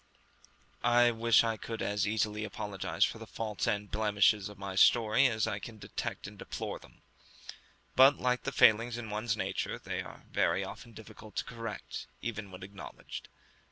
I wish I could as easily apologize for the faults and blemishes of my story as I can detect and deplore them; but, like the failings in one's nature, they are very often difficult to correct, even when acknowledged.